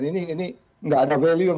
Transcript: ini nggak ada value